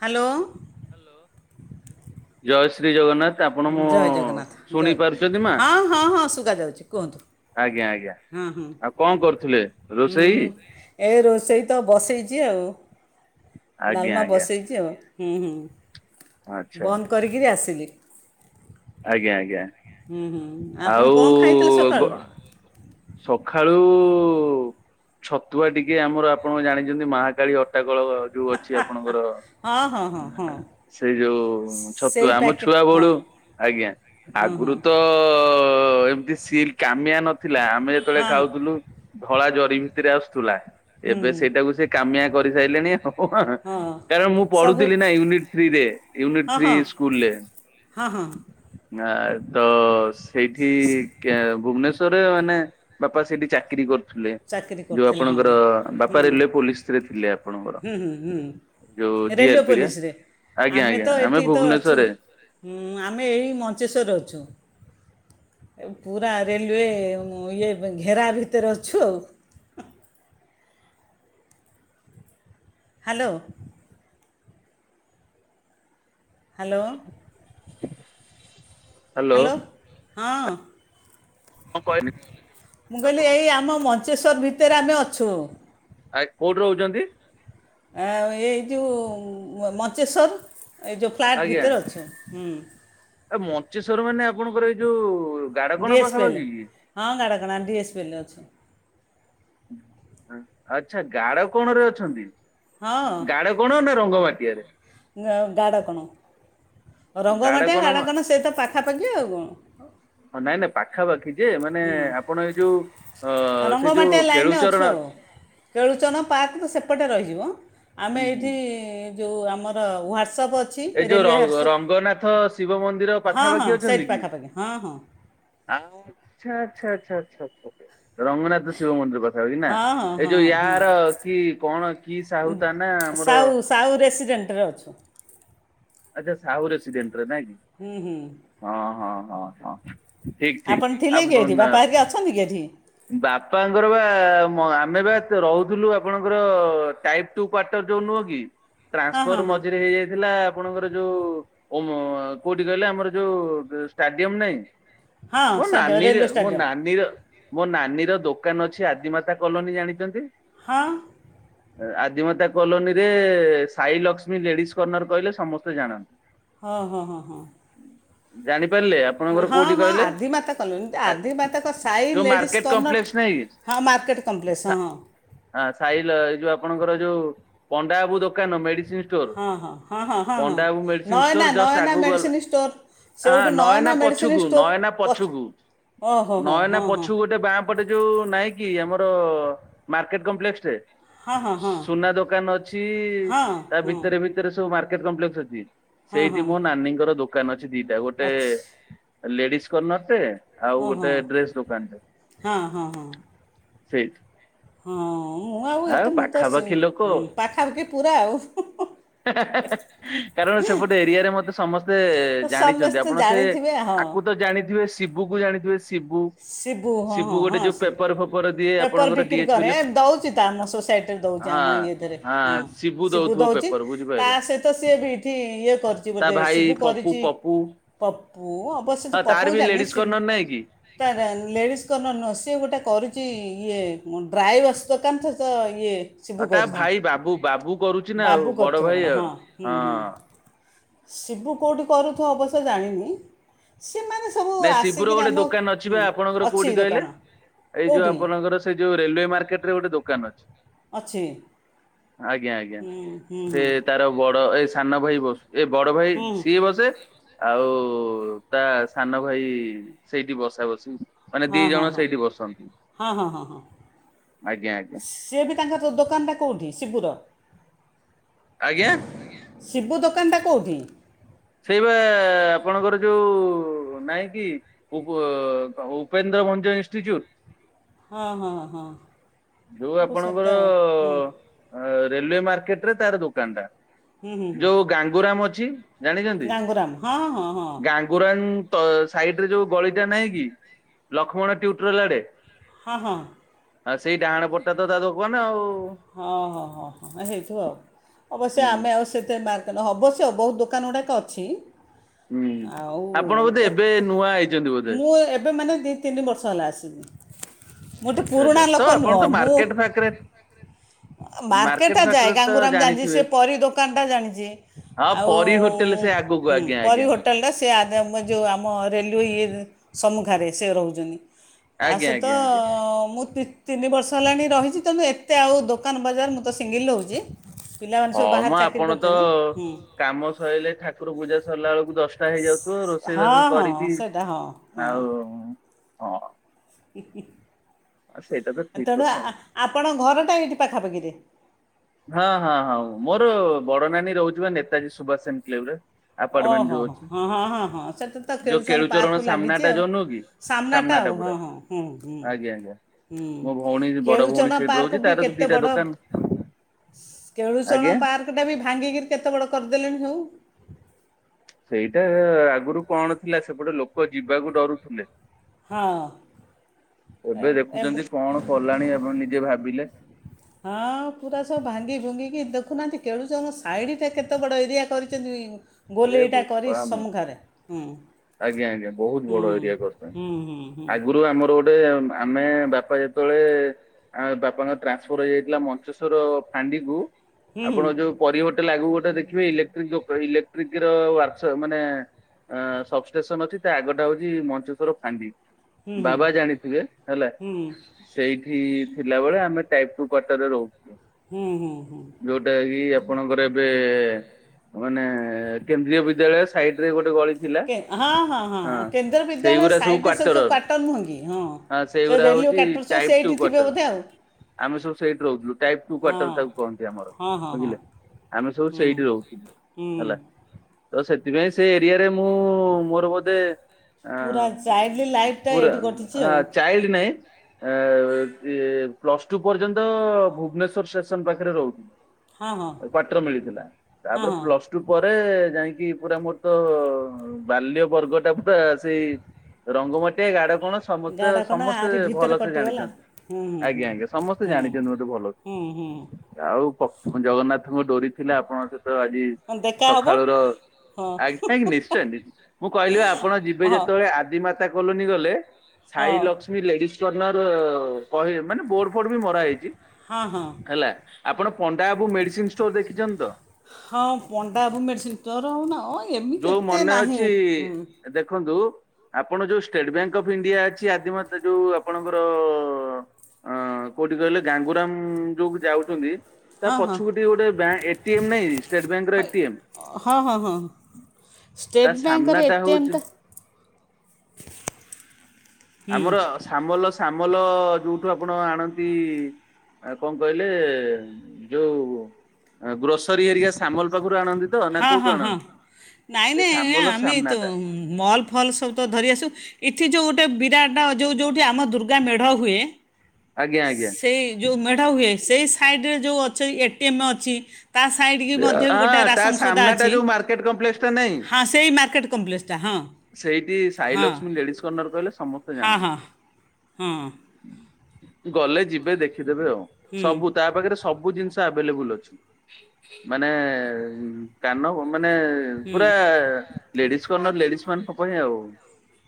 Hello hello ଜୟ ଶ୍ରୀ ଜଗନ୍ନାଥ। ଆପଣ ହୁଁ ମୋ ଜୟ ଜଗନ୍ନାଥ ଜ ଶୁଣି ପାରୁଛନ୍ତି ମା? ହଁ ହଁ ହଁ ଶୁଗା ଯାଉଚି କୁହନ୍ତୁ। ଆଜ୍ଞା ହଁ ହୁଁ କଣ କରୁଥିଲେ ହୁଁ ଏବେ? ଏ ରୋଷେଇ ତ ବସେଇଚି ଆଉ। ଆଜ୍ଞା ଡାଲମା ଆଜ୍ଞା। ବସେଇଚି ଆଉ ହୁଁ ହୁଁ ଆଚ୍ଛା ବନ୍ଦ କରିକିରି ଆସିଲି। ଆଜ୍ଞା ଆଜ୍ଞା। ହୁଁ ହୁଁ ଆପଣ ଆଉ କ'ଣ ଖାଇଥିଲେ ଗ ସକାଳୁ ସ ଖାଳୁ ଛତୁଆ ଟିକେ ଆମର ଆପଣ ଜାଣିଚନ୍ତି। ମହାକାଳୀ ଅଟା ଗୁ ଳ ଯୋଉ ଅଛି ଆପଣଙ୍କର ଅଁ ହଁ ହଁ ହଁ ହଁ ସେଇ ଯୋଉ ସେଇ ଛତୁଆ ଆମ ପ୍ୟାକେଟ୍ ଛୁଆ ହଁ ବେଳୁ ଆଜ୍ଞା ହଁ ହଁ ଆଗୁରୁ ତ ଅ ଏମିତି ସିଲ୍ କାମିଆ ନଥିଲା। ଆମେ ଯେତେବେଳେ ହଁ ଖାଉଥିଲୁ ଧଳା ଜରି ଭି ତିରେ ଆସୁଥିଲା। ହୁଁ ଏବେ ସେଇଟାକୁ ସେ କାମିଆ କରିସାରିଲେଣି। ହଁ ହଁ ହେଁ ଆଉ ହଁ କାରଣ ମୁଁ ସବୁ ପଢୁଥିଲି ନା ୟୁନିଟ୍ ଥ୍ରୀ ଇଏ ୟୁନିଟ୍ ହଁ ଥ୍ରୀ ହଁ ସ୍କୁଲରେ। ହଁ ହଁ। ଆଁ ତ ସେଇଠି କା ଭୁବନେଶ୍ ଭିତରେ ମାନେ ବାପା ସେଇଠି ଚାକିରି କରି ଥିଲେ ଚାକିରି ଯୋଉ କରୁଥିଲେ ହଁ ଆପଣଙ୍କର ହୁଁ ବାପା ରିଲୁ୍ୱେ ପୋଲିସରେ ଥିଲେ ଆପଣଙ୍କର ହୁଁ ହୁଁ ହୁଁ ଯୋଉ ଜି ରେଲୱେ ଆର୍ ପି ରେ ପୋଲିସରେ ଆଜ୍ଞା ଆଜ୍ଞା ଆମେ ଭୁବନେଶ୍ଵର ରେ ହୁଁ ଆମେ ଏଇ ମଞ୍ଚେଶ୍ଵରରେ ଅଛୁ। ପୁରା ରେଲୱେ ଇଏ ଘେରା ଭିତରେ ଅଛୁ ଆଉ ହ୍ୟାଲୋ। ହ୍ୟାଲୋ। [inaudible] କଣ କହିଲେ? ହ୍ୟାଲୋ ହଁ। ଆପଣଙ୍କ ମୁଁ କହିଲି ଏଇ ଆମ ମଞ୍ଚେଶ୍ଵର ଭିତରେ ଆମେ ଅଛୁ। ଆ କୋଉଠି ରହୁଚନ୍ତି? ଏ ଏଇ ଯଉ ମ ମଞ୍ଚେଶ୍ୱର ଏ ଯୋଉ ଫ୍ଲାଟ୍ ଭିତରେ ଅଛୁ ହୁଁ। ଏ ମଞ୍ଚେଶ୍ଵର ମାନେ ଆପଣଙ୍କର ଏଇ ଯୋଉ ଗାଡକଣ ଡ଼ିଏସ୍ପେଲ୍ ପାଖାପାଖି କି? ହଁ ଗାଡ଼କଣା ଡ଼ିଏସ୍ପେଲ୍ ରେ ଅଛୁ। ଆଛା ଗାଡକଣ ରେ ଅଛନ୍ତି ଗାଡକଣ ନା? ରଙ୍ଗମାଟଆ ରେ? ଗାଡକଣ। ରଙ୍ଗମାଟିଆ ଗାଡକଣ ଗାଡ଼କଣ ସେ ତ ପାଖା ପାଖି ଆଉ କଣ ପାଖି ଯେ ମାନେ ଆପଣ ଏଇ ଯୋଉ ଅ ସେ ରଙ୍ଗମାଟିଆ ଯୋଉ ଲାଇନ୍ରେ ଅଛୁ କେଳୁଚରଣ ଆଉ କେଳୁଚନ ପାର୍କ ତ ସେପଟେ ରହିଯିବ ଆମେ ଏଇଠି ଯେଉଁ ଆମର ୱାଟ୍ସ ଏ ଯୋଉ ରଙ୍ଗ ରଙ୍ଗନାଥ ଶିବ ମନ୍ଦିର ହଁ ପାଖା ହଁ ପାାଖି ଅଛନ୍ତି ସେଇଠି କି? ପାଖାପାଖି ହଁ ହଁ ଆଚ୍ଛା ଆଚ୍ଛା ଆଛା ଆଛା ଆଛା। ରଙ୍ଗନାଥ ଶିବ ମନ୍ଦିର କଥା ହଉ କି ନା ହଁ ହଁ ଏଇ ହଁ ଯୋଉ ହଁ ୟାର କି କଣ କି ସାହୁ ତା ନା ଆମର ସାଉ ସାଉ ରେସିରେଣ୍ଟରେ ଅଛୁ। ଆଛା ସାହୁ ରେସିରେଣ୍ଟରେ ନା କି ହୁଁ ହୁଁ ହଁ ହଁ ହଁ ହଁ। ଠିକ ଠିକ ଆପଣ ଥିଲେ ଆପ କି ନ ଏଠି ବା ବାପା ହେରିକା ଅଛନ୍ତି କି ଏଠି ବାପାଙ୍କର ବା ମ ଆମେ ବା ରହୁଥିଲୁ ଆପଣଙ୍କର ଟାଇପ୍ ଟୁ କ୍ୱାଟର ଯୋଉ ନୁହଁ କି? ହଁ ହଁ ଟ୍ରାନ୍ସଫର ହଁ ମଝିରେ ହେଇଯାଇଥିଲା ଆପଣଙ୍କର ଯୋଉ ଓମ କୋଉଠି କହିଲେ ଆମର ଯୋଉ ଷ୍ଟାଡିୟମ ନାଇଁ? ହଁ ମୋ ଷ୍ଟାଡ଼ିୟମ୍ ନାନୀର ରେଲୱେ ମୋ ଷ୍ଟାଡ଼ିୟମ୍ ନାନୀର ମୋ ନାନୀ ର ଦୋକାନ ଅଛି ଆଦିମାତା କଲୋନୀ ଜାଣିଚନ୍ତି? ହଁ। ଆଦିମାତା କଲୋନୀ ରେ ସାଇ ଲକ୍ଷ୍ମୀ ଲେଡିସ୍ କର୍ଣ୍ଣର କହିଲେ ସମସ୍ତେ ଜାଣନ୍ତି। ହଁ ହଁ ହଁ ହଁ। ଜାଣିପାରିଲେ ଆପଣଙ୍କର ହଁ କୋଉଠି ହଁ କହିଲେ ଆଦି ମାତା କଲୋନୀ ଆ ଆଦି ମାତାଙ୍କ ସାଇ ଯୋଉ ଲେଡ଼ିଜ ମାର୍କେଟ କମ୍ପ୍ଲେକ୍ସ ନାଇଁ କର୍ଣ୍ଣର ହଁ ମାର୍କେଟ କମ୍ପ୍ଲେକ୍ସ ହଁ। ହଁ ସାଇିଲ ଏଇ ଯୋଉ ଆପଣଙ୍କର ଯୋଉ ପଣ୍ଡା ବାବୁ ଦୋକାନ ମେଡିସି ହଁ ହଁ ହଁ ହଁ ହଁ ହଁ ମେଡିସିନ ଷ୍ଟୋର ନଏନା ଜଷ୍ଟ ନଏନା ଆଗକୁ ଗଲା ମେଡ଼ିସିନ ଷ୍ଟୋର ହଁ ସେଇଠୁ ନଏନା ନୟନା ମେଡ଼ିସିନ ପଛକୁ ଷ୍ଟୋର୍ ନୟନା ପଛ ପଛକୁ ଓହୋ ହୋ ନୟନା ହଁ ପଛୁ ଗୋଟେ ବାଁ ପଟେ ଯୋଉ ନାଇଁ କି ଆମର ର ମାର୍କେଟ କମ୍ପ୍ଲେକ୍ସ ଟେ ହଁ ହଁ ହଁ ହଁ ସୁନା ଦୋକାନ ଅଛି ହଁ ତା ହଁ ଭିତରେ ଭିତରେ ସବୁ ମାର୍କେଟ କମ୍ପ୍ଲେକ୍ସ ଅଛି। ହଁ ସେଇଠି ହଁ ମୋ ନାନୀଙ୍କର ଦୋକାନ ଅଛି ଦିଟା ଗୋଟେ ଅଛି ଲେଡିଜ କର୍ଣ୍ଣରଟେ ଆଉ ହଁ ହଁ ଗୋଟେ ଡ୍ରେସ ଦୋକାନ ଟେ ହଁ ହଁ ହଁ ସେଇଠି। ହଁ ମୁଁ ଆଉ ଏତେ ମୁଁ ତ ସି ପାଖାପାଖି ଲୋକ ପାଖାପାଖି ପୁରା ଆଉ। ହେ ହେ ହେ ହେ କାରଣ ସେପଟେ ଏରିଆରେ ମତେ ସମସ୍ତେ ତେ ଜାଣିଚନ୍ତି ସମସ୍ତେ ଆପଣ ସେ ଜାଣିଥିବେ ହଁ ଆକୁ ତ ଜାଣିଥିବେ ଶିବୁ କୁ ଜାଣିଥିବେ ଶିବୁ? ଶିବୁ ହଁ ଶିବୁ ହଁ ଗୋଟେ ହଁ ଯୋଉ ଶିବୁ ପେପର ଫେପର ଦିଏ ପେପର ଆପଣଙ୍କର ବିକ୍ରି ଡିଏଚପି କରେ ଲେ ଦଉଚି ତ ଆମ ସୋସାଇଟି ରେ ଦେଉଚି ଦଉଚି ହଁ ଆମ ଇଏଥିରେ ହଁ ଶିବୁ ଦଉଥିବ ଦଉଚି ପେପର ତା ବୁଝିପାରିଲେ ସହିତ ସେ ବି ଏଠି ଇଏ କରିଚି ତା ବୋଧେ ଭାଇ ଶିବୁ ପପୁ କରିଚି ପପୁ ପପୁ ଅବଶ୍ୟ ହଁ ତ ପପୁ ତାର କୁ ବି ଜାଣିନୀ ଲେଡିଜ କର୍ଣ୍ଣର ନାଇଁ କି? ଶିବ ଲେଡ଼ିଜକଣ୍ଣର ନୁହଁ, ସିଏ ଗୋଟେ କରିଛି ଇଏ ଡ୍ରାଏୱସ ଦୋକାନ ତ ଇଏ ଆଉ ତା ଶିବୁକରିଛି ଭାଇ ବାବୁ ବାବୁ କରୁଛି ନା ଆଉ ବାବୁ ବଡ କରିଥିବ ଭାଇ କଣ ଆଉ ହଁ ହୁଁ ହୁଁ। ହଁ ଶିବୁ କୋଉଠି କରୁଥିବ ଅବଶ୍ୟ ଜାଣିନି ସେମାନେ ସବୁ ନାଇଁ ଶିବୁର ଆସିକିରି ଗୋଟେ ଆମ ଦୋକାନ ଅଛି। ଅଛି ହୁଁ, ବା ଆପଣଙ୍କର ଅଛି କୋଉଠି କହିଲେ, ଦୋକାନ ଏଇ ଯୋଉ କୋଉଠି ଆପଣଙ୍କର ସେ ଯୋଉ ରେଲୱେ ମାର୍କେଟ ରେ ଗୋଟେ ଦୋକାନ ଅଛି। ଅଛି! ଆଜ୍ଞା ଆଜ୍ଞା ହୁଁ ହୁଁ ସେ ହୁଁ ତାର ବଡ ଏ ସାନ ଭାଇ ବସୁ ଏ ବଡ ଭାଇ ହୁଁ ସିଏ ବସେ ଆଉ ତା ସାନ ଭାଇ ସେଇଠି ବସା ବସି ମାନେ ଦି ହଁ ହଁ ଜଣ ହଁ ସେଇଠି ବସନ୍ତି ହଁ ହଁ ହଁ ହଁ। ଆଜ୍ଞା ଆଜ୍ଞା ସିଏ ବି ତାଙ୍କର ଦୋକାନ ଟା କୋଉଠି ଶିବୁର ଆଜ୍ଞା। ଶିବୁ ଦୋକାନଟା କୋଉଠି? ସେଇବା ଆପଣଙ୍କର ଯୋଉ ନାଇଁ କି ଉପ ଉପେନ୍ଦ୍ର ଭଞ୍ଜ ଇନଷ୍ଟିଚିଡୁ! ହଁ ହଁ ହଁ। ଯୋଉ ସବୁ ସେତେ ଆପଣଙ୍କର ଆଉ ହୁଁ ରେଲୱେ ମାର୍କେଟ? ରେ ତାର ଦୋକାନ ଟା ହୁଁ ହୁଁ ହୁଁ ଯୋଉ ଗାଙ୍ଗୁରାମ ଅଛି। ଜାଣିଛନ୍ତି ଗାଙ୍ଗୁରାମ ହଁ ହଁ ହଁ ଗାଙ୍ଗୁରାମ? ତ ସାଇଡ ରେ ଯୋଉ ଗଳିଟା ନାହିଁ କି ଲକ୍ଷ୍ମଣ ଟ୍ୟୁଟରାଲ ଆଡେ ହଁ ହଁ। ଆଉ ସେଇ ଡାହାଣ ପଟ ଟା ତ ତା ଦୋକାନ ଆଉ। ହଁ ହଁ ହଁ ହଁ ହେଇଥିବ ଆଉ ଅବଶ୍ୟ ହୁଁ ଆମେ ଆଉ ସେତେ ମାର୍କ କରିନୁ ହବଶ୍ୟ ଆଉ ବହୁତ ଦୋକାନ ଗୁଡ଼ାକ ଅଛି ହୁଁ ଆଉ ଆପଣ ବୋଧେ ଏବେ ଏତେ ନୂଆ ଆଇଛନ୍ତି। ବୋଧେ? ମୁଁ ଏବେ ମାନେ ଦି ତିନି ବର୍ଷ ହେଲା ଆସିଲିଣି ଆଚ୍ଛା ଆଚ୍ଛା ତ ଆପଣ ତ ମୁଁ ମାର୍କେଟ ଫାଖରେ ମାର୍କେଟଟା ଯାଏ ଗାଙ୍ଗୁରାମ ଜାଣିଛି ସେ ପରି ଦୋକାନଟା ଜାଣିଛି ହଁ ଆଉ। ପରୀ ହୋଟେଲ ସେ ଆଗକୁ ହୁଁ ଆଜ୍ଞା ପରି ଆଜ୍ଞା ହୋଟେଲ ଟା ସେ ଆମ ଯୋଉ ଆମ ରେଲୱେ ଇଏ ସମ୍ମୁଖ ରେ ସେ ରହୁଛନ୍ତି ତା ଆଜ୍ଞା ସହିତ ଆଜ୍ଞା ଆଜ୍ଞା। ମୁଁ ତିନି ବର୍ଷ ହେଲାଣି ରହିଛି ତେଣୁ ଏତେ ଆଉ ଦୋକାନ ବଜାର ମୁଁ ତ ସିଙ୍ଗିଲ ରହୁଛି ପିଲାମାନେ ହଁ ସବୁ ମୁଁ ବାହାରେ ଚାକିରି ଆପଣ ତ କରିଛନ୍ତି। ହୁଁ କାମ ସରିଲେ ଠାକୁର ପୂଜା ସରିଲା ବେଳକୁ ଦଶଟା ହେଇ ହେଇଯାଉଥିବ ହଁ ରୋଷେଇବାସ ହଁ କରିକି ସେଇଟା ହଁ ହଁ। ଆଉ ହଁ। ସେଇଟା ତ ଠିକ ତେଣୁ କଥା ଆପଣ ଘରଟା ଏଇଠି ପାଖାପାଖିରେ ହଁ ହଁ ହଁ ମୋର ବଡ ନାନୀ ରହୁଛି ବା ନେତାଜୀ ସୁବାସ ଇନକ୍ଳେଭ ରେ ଓ ହୋ ହ ହଁ ହଁ ହଁ ସେଠି ତ ଯୋଉ କେଳୁସନ ପାର୍କ କେଳୁଚରଣ କୁ ସାମ୍ନା ଲାଗିଛି ଟା ଆଉ। ଯୋଉ ନୁହଁ କି ସମ୍ନା ଟା ସାମ୍ନା ଆଉ ହଁ ପୁରା ହଁ ହୁଁ ହୁଁ। ଆଜ୍ଞା ଆଜ୍ଞା ହୁଁ ମୋ ଭଉଣୀ ବଡ ଭଉଣୀ କେଳୁଚଣା ସେଇଠି ରହୁଛି ପାର୍କ ବି ତାର କେତେ ଦିଟା ବଡ଼ ଦୋକାନ କେଳୁଚଣ ଆଜ୍ଞା ପାର୍କ ଟା ବି ଭାଙ୍ଗିକିରି କେତେ ବଡ କରିଦେଲେଣି ସବୁ ସେଇଟା ଆଗରୁ କଣ ଥିଲା ସେପଟେ ଲୋକ ଯିବାକୁ ଡରୁଥିଲେ। ହଁ ଏବେ ଦେଖୁଛନ୍ତି କଣ କଲାଣି ଆପଣ ନିଜେ ଭାବିଲେ? ହଁ ପୁରା ସବୁ ଭାଙ୍ଗି ଭୁଙ୍ଗିକି ଦେଖୁନାହାନ୍ତି କେଳୁଛ ସାଇଡ଼ଟେ କେତେ ବଡ଼ ଏରିଆ କରିଛନ୍ତି। ଏ ଗୋଲେଇଟା କରି ବୋପା ମା ସମୁ ଘରେ ହୁଁ। ଆଜ୍ଞା ଆଜ୍ଞା ବହୁତ ହୁଁ ବଡ ଏରିଆ କରି ହୁଁ ହୁଁ ହୁଁ ଆଗରୁ ଆମର ଗୋଟେ ଆମେ ବାପା ଯେତେବେଳେ ଆଉ ବାପାଙ୍କର ଟ୍ରାନ୍ସଫର ହେଇଯାଇଥିଲା ମଞ୍ଚେଶ୍ୱର ଫାଣ୍ଡି କୁ ହୁଁ ହୁଁ ଆପଣ ଯୋଉ ପରିବଟା ଲାଗୁ ଗୋଟେ ଦେଖିବେ ଇଲେକ୍ଟ୍ରିକଇ ଶୀଘ୍ର ବାର୍ଷ ମାନେ ଅ ସବ ଷ୍ଟେସନ ଅଛି ତା ଆଗଟା ହଉଛି ମଞ୍ଚେଶ୍ଵର ଫାଣ୍ଡି। ହୁଁ ହୁଁ ବାବା ଜାଣିଥିବେ ହେଲା ସେଇ ଏଠି ଥିଲା ବେଳେ ଆମେ ଟାଇପୁର କଟରେ ରହୁ ହୁଁ ହୁଁ ହୁଁ। ଆପଣଙ୍କର ଏବେ ମାନେ କେନ୍ଦ୍ରୀୟ ବିଦ୍ୟାଳୟ ସାଇଡ ରେ ଗୋଟେ ଗଳି ଥିଲା ହଁ ହଁ ହଁ କେନ୍ଦ୍ର ବିଦ୍ୟାଳୟ ସେଇଗୁରା ସାଇଟରେ ସବୁ ସୁ କ୍ଵାର୍ଟର କ୍ୱାଟର ଭାଙ୍ଗି ହଁ ସେଇଗୁରା ହଉଛି ସେ ଟାଇପ୍ ଟୁ ସେଇଠିଥିବେ କ୍ଵାର୍ଟର। ବୋଧେ ଆଉ ଆମେ ସବୁ ସେଇଠି ରହୁଥିଲୁ ଟାଇପ୍ ଟୁ କ୍ୱାଟର ତାକୁ କହନ୍ତି ଆମର ହଁ ହଁ ହଁ ହଁ ବୁଝିଲେ ଆମେ ସବୁ ହୁଁ ସେଇଠି ରହୁଥିଲୁ ହୁଁ ହେଲା ତ ସେଥିପାଇଁ ସେ ଏରିଆରେ ମୁଁ ମୋର ବୋଧେ ଆ ପୁରା ଚାଇଲ୍ଡ ଲାଇଫ୍ଟା ପୁର ଏଇଠି କଟିଛି ହ ଆଉ ଚାଇଲ୍ଡ ନାହିଁ। ଏ ପ୍ଲସ ଟୁ ପର୍ଯ୍ୟନ୍ତ ଭୁବନେଶ୍ୱର ଷ୍ଟେସନ ପାଖରେ ରହୁଛି। ହଁ ହଁ କ୍ୱାଟର ମିଳିଥିଲା ହଁ ତାପରେ ହଁ ପ୍ଲସ ଟୁ ପରେ ରେ ଯାଇକି ପୁରା ମୋର ତ ବାଲ୍ୟ ବର୍ଗ ଟା ପୁରା ସେଇ ରଙ୍ଗ ମାଟିଆ ଗାଡ଼ କଣ ସମସ୍ତେ ଗାଡ଼ା କଣ ସମସ୍ତେ ଆରି ଭିତରେ ଭଲସେ କଟିଗଲା ଜାଣିଛନ୍ତି ହୁଁ ହୁଁ ହୁଁ ଆଜ୍ଞା ଆଜ୍ଞା ସମସ୍ତେ ହୁଁ ଜାଣିଛନ୍ତି ଗୋଟେ ଭଲସେ ହୁଁ ହୁଁ ଆଉ ଜଗନ୍ନାଥଙ୍କୁ ଡୋରି ଥିଲା ଆପଣଙ୍କ ସହିତ ଆଜି ହଁ ଦେଖା ହେବ ସକାଳ ର ହଁ ଆାଇଁ ନିଶ୍ଚୟ ଦିଦି ମୁଁ କହିଲି ଆପଣ ଯିବେ ହଁ ଯେତେବେଳେ ଆଦି ମା କଲୋନୀ ଗଲେ ସାଇ ହଁ ଲକ୍ମୀ ଲେଡିଜ୍ କର୍ନର୍ କହି ମାନେ ବୋଡ ଫୋଡ ବି ମରା ହେଇଛି ହଁ ହଁ। ହେଲା ଆପଣ ପଣ୍ଡା ବାବୁ ମେଡିସିନ ଷ୍ଟୋର ଦେଖିଛନ୍ତି ତ? ହଁ ପଣ୍ଡାବାବୁ ମେଡିସିନ ଷ୍ଟୋର ହଉନା ଯୋଉ ମନେ ଅଛି ଦେଖନ୍ତୁ ଆପଣ ଯୋଉ ଷ୍ଟେଟ ବ୍ୟାଙ୍କ ଅଫ୍ ଇଣ୍ଡିଆ ଅଛି ଆଦି ମା ଯୋଉ ଆପଣଙ୍କର ଅ କୋଉଠି କହିଲେ ଗାଙ୍ଗୁରାମ ଯୋଉ ଯାଉଛନ୍ତି ତା ହଁ ହଁ ପଛକୁିଟିକେ ଗୋଟେ ଏଟି ନାଇଁ ଷ୍ଟେଟ ବ୍ୟାଙ୍କର ଏଟି ଏ ମ୍। ହଁ ହଁ ହଁ ତା ଷ୍ଟେଟ୍ ବ୍ୟାଙ୍କର ସାମ୍ନା ଟା ହଉଚି ଏଟିଏମ୍ଟା ହୁଁ ଆମର ସାମ ଲ ସାମଲ ଯୋଉଠୁ ଆପଣ ଆଣନ୍ତି ଆ କଣ କହିଲେ ଯୋଉ ଗ୍ରୋସେରି ସରି ହାରିକା ସାମଲ ପାଖରୁ ଆଣନ୍ତି ତ ନା ହଁ କୋଉଠୁ ହଁ ହଁ ଆଣନ୍ତି? ନାଇଁ ସେ ନାଇଁ ଆଜ୍ଞା ସାମଲ ଆମେ ସାମ୍ନା ତ ଟା ମଲ୍ ଫଲ୍ ସବୁ ତ ଧରି ଆସୁ ଏଠି ଯେଉଁ ଗୋଟେ ବିରାଟ ଯୋଉ ଯୋଉଠି ଆମ ଦୁର୍ଗା ମେଢ଼ ହୁଏ ଆଜ୍ଞା ଆଜ୍ଞା ସେଇ ଯୋଉ ମେଢ଼ ହୁଏ। ସେଇ ସାଇଡ ରେ ଯୋଉ ଅ ଏଟି ଏ ମ ଅଛି ତା ସା ସାଇଡ଼୍ କି ମଧ୍ୟ ବି ଗୋଟେ ହଁ ତା ରାସନ ସୋଉଦା ସାମ୍ନାଟା ଅଛି ଯୋଉ ମାର୍କେଟ କମ୍ପ୍ଲେକ୍ସ ଟା ନାଇଁ ହଁ ସେଇ ମାର୍କେଟ କମ୍ପ୍ଲେକ୍ସଟା ହଁ। ସେଇଠି ସାଇ ହଁ ଲକ୍ଷ୍ମୀ ଲେଡିସ୍ କର୍ଣ୍ଣର କହିଲେ ସମସ୍ତେ ହଁ ଜାଣନ୍ତି। ହଁ ହଁ। ଗଲେ ଯିବେ ଦେଖିଦେବେ ଆଉ ହୁଁ ସବୁ ତା ପାଖରେ ସବୁ ଜିନିଷ ଆଭେଲେବୁଲ ଅଛି। ମାନେ କାନ ମାନେ ହୁଁ ପୁରା ଲେଡି ତର ଲେଡିସ୍ ମାନଙ୍କ ପାଇଁ ଆଉ।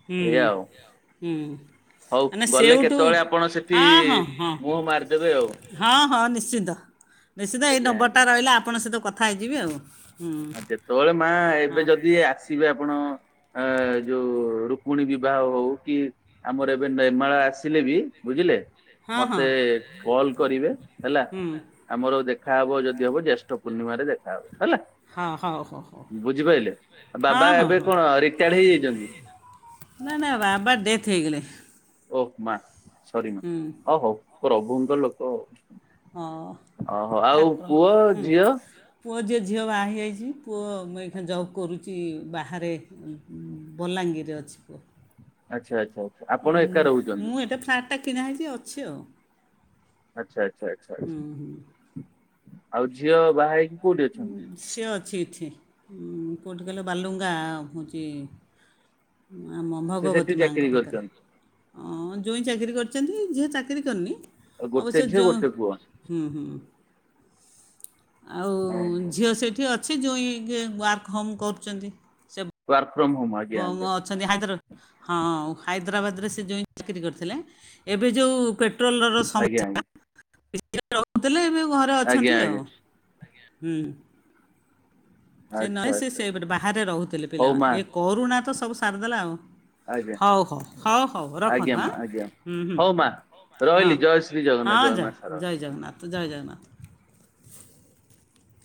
ହୁଁ ଏଇଆ ଆଉ ହୁଁ। ହଉ ମାନେ ଗଲେ ସେଠୁ କେତେବେଳେ ଆପଣ ସେଠି ହଁ ହଁ ହଁ ମୁହଁ ମାରିଦେବେ ଆଉ ହଁ ହଁ ନିଶ୍ଚିିତ। ନିଶ୍ଚିତ ଏଇ ଆଜ୍ଞା ନମ୍ବରଟା ଆଜ୍ଞା। ରହିଲା ଆପଣଙ୍କ ସହିତ କଥା ହେଇଯିବେ ଆଉ। ହୁଁ ଆ ଯେତେବେଳେ ମା ଏବେ ହଁ ଯଦି ଆସିବେ ଆପଣ ଅ ଯୋଉ ରୁକୁମଣୀ ବିବାହ ହଉ କି ଆମର ଏବେ ନେର୍ମାଳ ଆସିଲେ ବି ବୁଝିଲେ? ହଁ ହଁ ମତେ କଲ କରିବେ ହେଲା ହୁଁ ଆମର ଦେଖ ଦେଖାହବ ଯଦି ହବ ଜ୍ୟେଷ୍ଠ ପୂର୍ଣ୍ଣିମରେ ଦେଖାହବ ହେଲା। ହଁ ହଉ ହଉ ହଉ ବୁଝିପାରିଲେ ହଁ ବାବା ହଁ ଏବେ ହଁ କଣ ରିଟାୟାର୍ଡ ହେଇଯାଇଛନ୍ତି? ନା ନା ବାବା ଡେଥଇଗଲେ। ଓହୋ ମା ସରି ମା ଓ ହଉ ପ୍ରଭୁଙ୍କ ଲୋକ। ହ ଓହୋ ଆଉ ଠାକୁର ପୁଅ ଝିଅ ପୁଅ ଯେ ଝିଅବା ହେଇଛି। ପୁଅ ମୁଁ ଜବ୍ କରୁଛି ବାହାରେ ବଲାଙ୍ଗୀରରେ ଅଛି ପୁଅ। ଆଚ୍ଛା ଆଚ୍ଛା ଆଚ୍ଛା ଆପଣ ଉଁ, ଏକା ରହୁଛନ୍ତି। ମୁଁ [unintelligible] ଅଛି ଆଉ। ଆଚ୍ଛା ଆଚ୍ଛା ଆଚ୍ଛା ହୁଁ ହୁଁ ଆଛା ଆଉ ଝିଅ ବାହା ହେଇକି କୋଉଠି ଅଛନ୍ତି ସେ ଅଛି ଏଠି। କୋଉଠି କହିଲ ବାଲୁଙ୍ଗା ହଉଚି ଆମ ସେ ସେଠି ଭଗବତୀ ମାଙ୍କ ଚାକିରି ପାଖରେ। କରିଛନ୍ତି। ଜ୍ୱୋଇଁ ଚାକିରି କରିଛନ୍ତି ଝିଅ ଚାକିରି କରିନି। ଗୋଟେ ଅବଶ୍ୟ ଝିଅ ଜୋ ଗୋଟେ ପୁଅ। ହୁଁ ହୁଁ। ଆଉ ଓହୋ। ଝିଅ ସେଇଠି ଅଛି ଜ୍ୱୋଇଁ ୱାର୍କ ହୋମ୍ କରୁଛନ୍ତି। ସେ ୱାର୍କ ଫ୍ରମ ହୋମ ବ ଆଜ୍ଞା ମ ଆଜ୍ଞା ଅଛନ୍ତି ହାଇଦ୍ର ହଁ ହାଇଦ୍ରାବାଦ ରେ ସେ ଜ୍ୱୋଇଁ ଚାକିରି କରିଥିଲେ। ଏବେ ଯୋଉ ପେ ପେଟ୍ରୋଲର ଆଜ୍ଞା ସମସ୍ୟା ରହୁଥିଲେ। ଏବେ ଘରେ ଆଜ୍ଞା ଅଛନ୍ତି ଆଜ୍ଞା ଆଉ। ଆଜ୍ଞା ହୁଁ। ସେ ନାଇଁ ଆଚ୍ଛା ସେ ଆଚ୍ଛା ସେପଟ ବାହାରେ ରହୁଥିଲେ ହଉ ମା ପିଲାମାନେ। ଏ କରୁଣା ତ ସବୁ ସାରିଦେଲା ଆଉ। ଆଜ୍ଞା ହଉ ହଉ ହଉ ହଉ ଆଜ୍ଞା ରଖନ୍ତୁ ମା ଆଁ ଆଜ୍ଞା ହୁଁ ହୁଁ ହଉ ମା ହୁଁ। ହଁ ରହିଲି ଜୟ ଶ୍ରୀ ଜଗନ୍ନାଥ ହଁ ଜୟ ଜ ମା ଶାରଳା। ଜୟ ଜଗନ୍ନାଥ ଜୟ ଜଗନ୍ନାଥ।